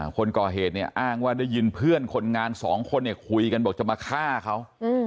คนก่อเหตุเนี่ยอ้างว่าได้ยินเพื่อนคนงานสองคนเนี่ยคุยกันบอกจะมาฆ่าเขา